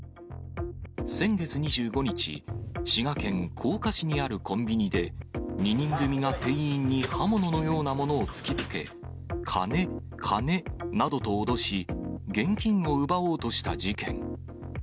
先月２５日、滋賀県甲賀市にあるコンビニで、２人組が店員に刃物のようなものを突きつけ、金、金などと脅し、現金を奪おうとした事件。